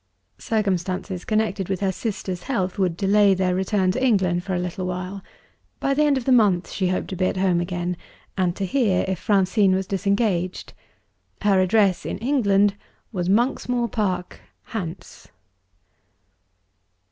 Circumstances connected with her sister's health would delay their return to England for a little while. By the end of the month she hoped to be at home again, and to hear if Francine was disengaged. Her address, in England, was Monksmoor Park, Hants.